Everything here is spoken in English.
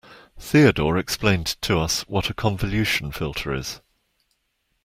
Theodore explained to us what a convolution filter is.